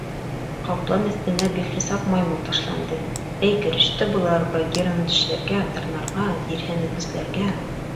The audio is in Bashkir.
Ҡаплан өҫтөнә бихисап маймыл ташланды, эй, кереште былар Багираны тешләргә, тырнарға, тиреһен өҙгөсләргә.